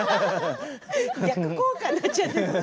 逆効果になっちゃう。